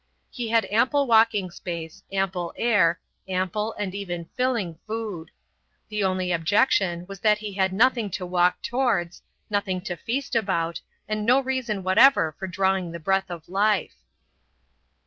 He had ample walking space, ample air, ample and even filling food. The only objection was that he had nothing to walk towards, nothing to feast about, and no reason whatever for drawing the breath of life.